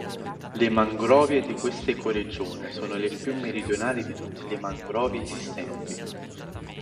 Le mangrovie di questa ecoregione sono le più meridionali di tutte le mangrovie esistenti.